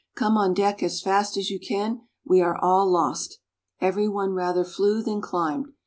come on deck as fast as you can, we are all lost!" Every one rather flew than climbed.